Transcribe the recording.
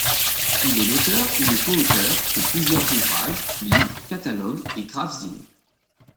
Il est l'auteur ou le coauteur de plusieurs ouvrages, livres, catalogues et graphzines.